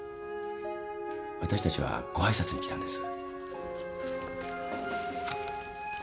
私たちはご挨拶に来たんです。